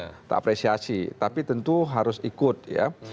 kita apresiasi tapi tentu harus ikut ya